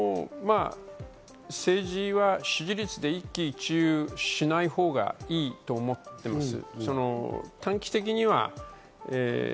政治は支持率で一喜一憂しないほうがいいと思ってます。